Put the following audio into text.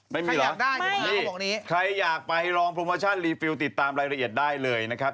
ไม่มีเหรอใครอยากไปลองโปรโมชั่นรีฟิลติดตามรายละเอียดได้เลยนะครับ